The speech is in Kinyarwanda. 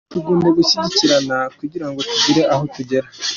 Tugomba gushyigikirana kugira ngo tugire aho tugera.